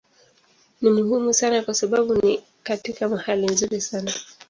Ni muhimu sana kwa sababu ni katika mahali nzuri sana.